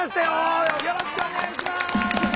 よろしくお願いします。